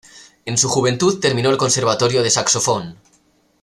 En su juventud terminó el conservatorio de saxofón.